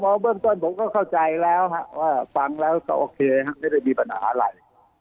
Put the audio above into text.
พอเบื้องต้นผมก็เข้าใจแล้วว่าฟังแล้วก็โอเคไม่ได้มีปัญหาอะไร